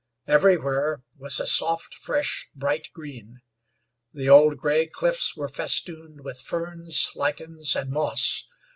Everywhere was a soft, fresh, bright green. The old gray cliffs were festooned with ferns, lichens and moss.